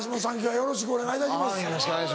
よろしくお願いします。